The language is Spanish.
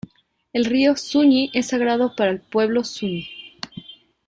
El río Zuñi es sagrado para el pueblo Zuñi.